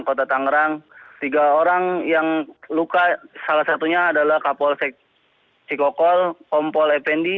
kota tangerang tiga orang yang luka salah satunya adalah kapolsek cikokol kompol fnd